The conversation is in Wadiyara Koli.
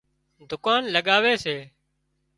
دُڪان لڳاوي سي